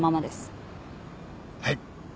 はい。